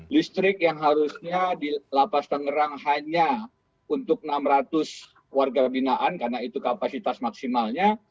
listrik yang harusnya di lapas tangerang hanya untuk enam ratus warga binaan karena itu kapasitas maksimalnya